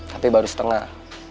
tapi baru setengah